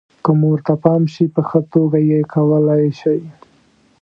که مو ورته پام شي، په ښه توګه یې کولای شئ.